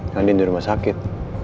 nanti di rumah sakit